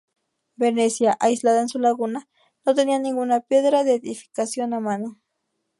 Venecia, aislada en su laguna, no tenía ninguna piedra de edificación a mano.